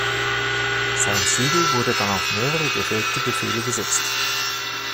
Sein Siegel wurde dann auf mehrere gefälschte Befehle gesetzt.